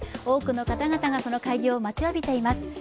多くの方々がその開業を待ちわびています。